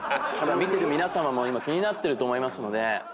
見てる皆さまも今気になってると思いますので。